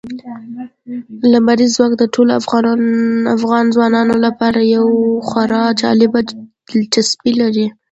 لمریز ځواک د ټولو افغان ځوانانو لپاره یوه خورا جالب دلچسپي لري.